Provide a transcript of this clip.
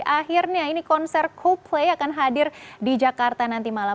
akhirnya ini konser coldplay akan hadir di jakarta nanti malam